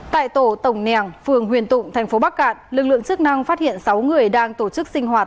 tại tổ tổng nẻng phường huyền tụng tp bắc cạn lực lượng chức năng phát hiện sáu người đang tổ chức sinh hoạt